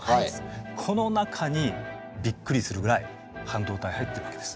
この中にびっくりするぐらい半導体入ってるわけです。